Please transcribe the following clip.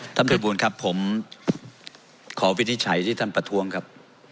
ท่านประธานบูลครับผมขอวินิจฉัยที่ท่านประทวงครับ